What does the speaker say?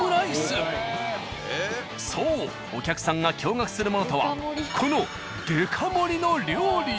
そうお客さんが驚愕するものとはこのデカ盛りの料理。